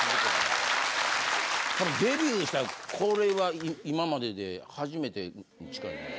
たぶんデビューしたこれは今までで初めてに近いです。